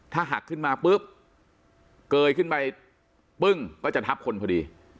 ถ้าหักขึ้นมาเกยขึ้นไปก็จะทับคนพอดี